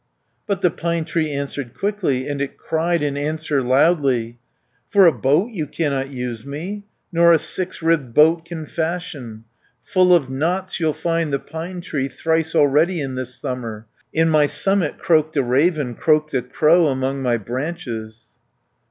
But the pine tree answered quickly, And it cried in answer loudly, 60 "For a boat you cannot use me, Nor a six ribbed boat can fashion, Full of knots you'll find the pine tree. Thrice already in this summer, In my summit croaked a raven, Croaked a crow among my branches."